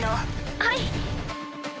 はい。